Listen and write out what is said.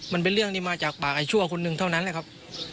มันเป็นเรื่องที่มาจากปากไอ้ชั่วคนหนึ่งเท่านั้นแหละครับ